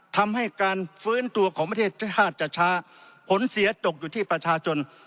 ทำให้การฟื้นตัวของประเทศชาติจะช้าผลเสียตกอยู่ที่ประชาชน